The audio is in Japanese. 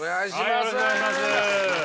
よろしくお願いします。